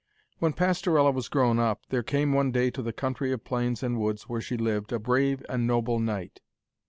When Pastorella was grown up, there came one day to the country of plains and woods where she lived a brave and noble knight.